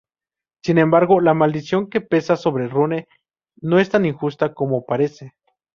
Sin embargo, la maldición que pesa sobre Rune no es tan injusta como parece...